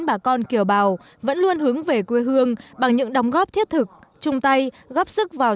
bà con kiều bào vẫn luôn hướng về quê hương bằng những đóng góp thiết thực chung tay góp sức vào